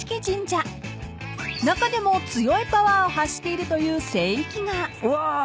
［中でも強いパワーを発しているという聖域が］うわ。